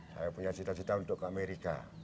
saya punya cita cita untuk ke amerika